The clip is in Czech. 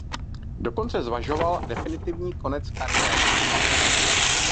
Dokonce zvažoval definitivní konec kariéry.